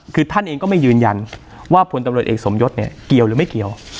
คือท่านเองก็ไม่ยืนยันว่าพลตำรวจเอกสมยศเนี่ยเกี่ยวหรือไม่เกี่ยว